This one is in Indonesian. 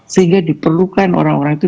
sehingga diperlukan orang orang itu